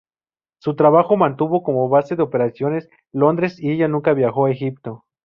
Su trabajo mantuvo como base de operaciones Londres y ella nunca viajó a Egipto.